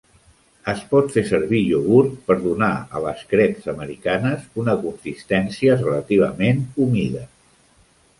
Es pot fer servir iogurt per donar a les creps americanes una consistència relativament humida.